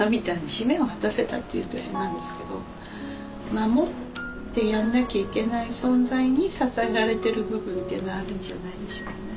使命を果たせたって言うと変なんですけど守ってやんなきゃいけない存在に支えられてる部分っていうのはあるんじゃないでしょうかね。